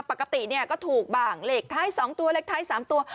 ปกติเนี่ยก็ถูกบ้างเลขท้าย๒ตัวเลขท้าย๓ตัว